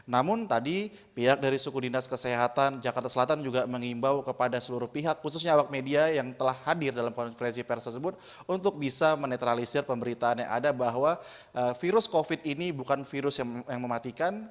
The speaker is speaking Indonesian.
namun tadi pihak dari suku dinas kesehatan jakarta selatan juga mengimbau kepada seluruh pihak khususnya awak media yang telah hadir dalam konferensi pers tersebut untuk bisa menetralisir pemberitaan yang ada bahwa virus covid ini bukan virus yang mematikan